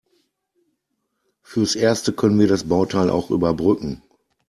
Fürs Erste können wir das Bauteil auch überbrücken.